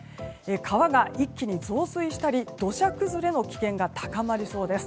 川が一気に増水したり土砂崩れの危険が高まりそうです。